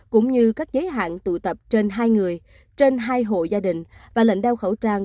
cũng như các giới hạn tụ tập trên hai người trên hai hộ gia đình và lệnh đeo khẩu trang